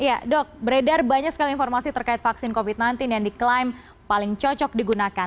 ya dok beredar banyak sekali informasi terkait vaksin covid sembilan belas yang diklaim paling cocok digunakan